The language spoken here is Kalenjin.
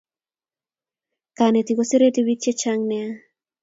Kanetik koserete pik che chnga nea